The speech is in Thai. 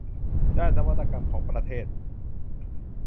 ด้านนวัตกรรมของประเทศ